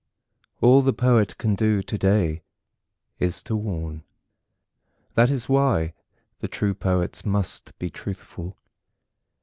All the poet can do to day is to warn. That is why the true Poets must be truthful.